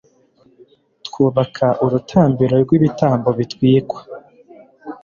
twubaka urutambiro rw'ibitambo bitwikwa